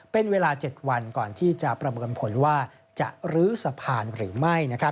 เป็นเวลา๗วันก่อนที่จะประเมินผลว่าจะลื้อสะพานหรือไม่